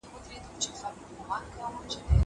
زه اوس سبزېجات وچوم.